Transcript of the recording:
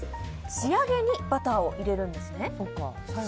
仕上げにバターを入れるんですね。